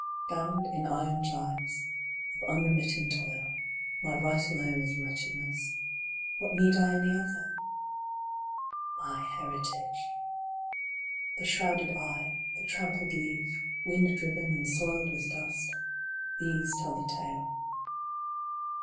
Bound in iron gyves of unremitting toil, my vital air is wretchedness what need I any other ?" My heritage !" The shrouded eye, the trampled leaf, wind driven and soiled with dust these tell the tale.